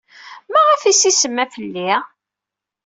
Maɣef ay as-isemma fell-i?